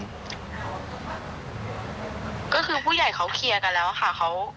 ก็คือผู้ใหญ่เขาเคลียร์กันแล้วค่ะ